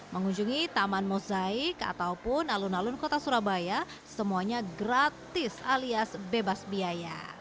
mengunjungi taman mosaik ataupun alun alun kota surabaya semuanya gratis alias bebas biaya